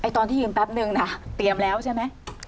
ตอนที่ยืนแป๊บนึงนะเตรียมแล้วใช่ไหม